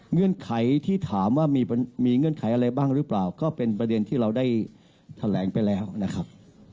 เงื่อนไขที่ถามว่ามีเงื่อนไขอะไรบ้างหรือเปล่าก็เป็นประเด็นที่เราได้แถลงไปแล้วนะครับ